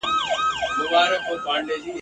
زه له سېل څخه سم پاته هغوی ټول وي الوتلي !.